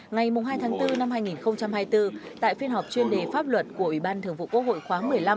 ngày hai tháng bốn năm hai nghìn hai mươi bốn tại phiên họp chuyên đề pháp luật của ủy ban thường vụ quốc hội khóa một mươi năm